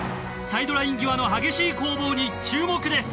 サイドライン際の激しい攻防に注目です。